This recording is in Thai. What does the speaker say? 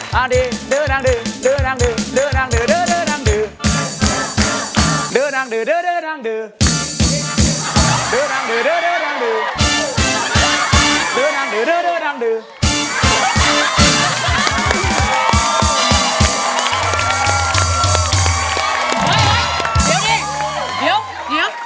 เฮ้ยเฮ้ยเดี๋ยวดิเดี๋ยวเดี๋ยว